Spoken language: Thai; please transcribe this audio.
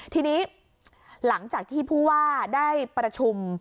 ทีนี้หลังจากที่ผู้ว่าได้ประชุม